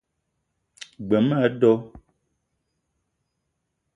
G-beu ma a do